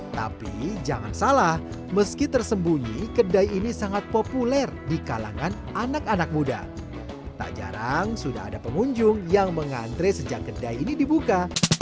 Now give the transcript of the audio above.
tak jarang sudah ada pengunjung yang mengantre sejak kedai ini dibuka